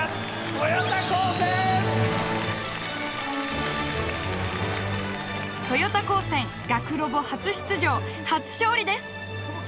豊田高専学ロボ初出場初勝利です！